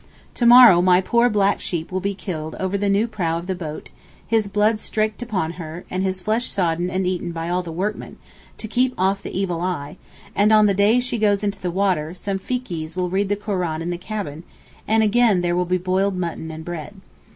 To morrow my poor black sheep will be killed over the new prow of the boat; his blood 'straked' upon her, and his flesh sodden and eaten by all the workmen, to keep off the evil eye; and on the day she goes into the water, some Fikees will read the Koran in the cabin, and again there will be boiled mutton and bread.